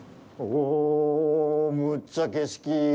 お、むっちゃ景色いい！